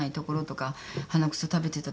鼻くそ食べてたところとか。